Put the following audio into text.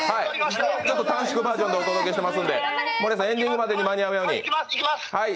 短縮バージョンでお届けしてますので、守谷さん、エンディングまでに間に合うように。